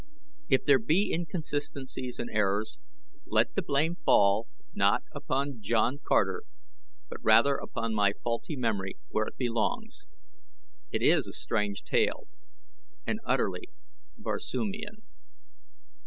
If there be inconsistencies and errors, let the blame fall not upon John Carter, but rather upon my faulty memory, where it belongs. It is a strange tale and utterly Barsoomian.